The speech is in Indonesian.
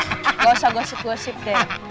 nggak usah gosip gosip deh